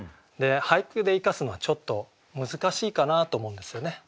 俳句で生かすのはちょっと難しいかなと思うんですよね。